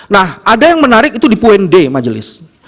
nah ada yang menarik itu di puen d majelis